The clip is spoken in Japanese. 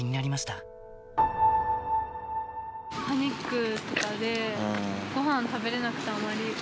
パニックとかで、ごはん食べれなくて、あまり。